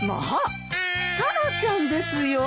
タラちゃんですよ。